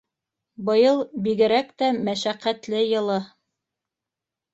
Быйыл бигерәк тә мәшәҡәтле йылы.